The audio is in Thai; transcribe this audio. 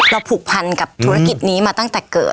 ผูกพันกับธุรกิจนี้มาตั้งแต่เกิด